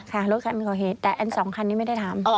รถคันก่อเหตุแต่อันสองคันนี้ไม่ได้ถาม